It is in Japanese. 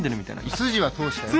筋は通したよ。